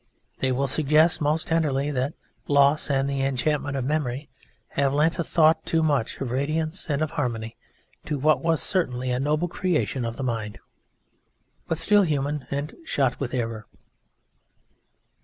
They will suggest (most tenderly) that loss and the enchantment of memory have lent a thought too much of radiance and of harmony to what was certainly a noble creation of the mind, but still human and shot with error.